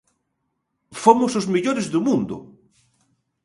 ¡Fomos os mellores do mundo!